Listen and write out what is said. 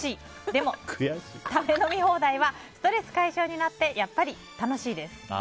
でも、食べ飲み放題はストレス解消になってやっぱり楽しいです。